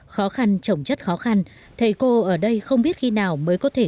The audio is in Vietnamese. khó khăn trồng chất khó khăn thầy cô ở đây không biết khi nào mới có thể